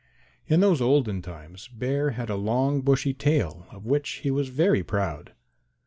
In those olden times Bear had a long bushy tail of which he was very proud.